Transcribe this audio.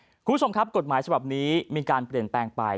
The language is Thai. คุณผู้ชมครับกฎหมายฉบับนี้มีการเปลี่ยนแปลงไป